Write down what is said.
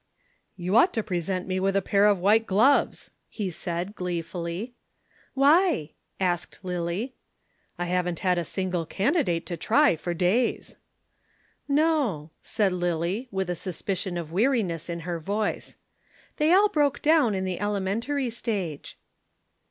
"You ought to present me with a pair of white gloves," he said, gleefully. "Why?" asked Lillie. "I haven't had a single candidate to try for days." "No," said Lillie with a suspicion of weariness in her voice. "They all broke down in the elementary stage."